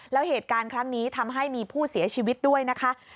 แล้วเหตุการณ์ครั้งนี้ทำให้มีผู้เสียชีวิตด้วยนะคะ